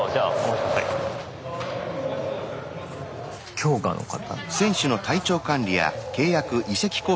強化の方？